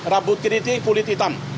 rambut keritik kulit hitam